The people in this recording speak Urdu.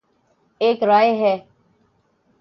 ایک رائے ہے۔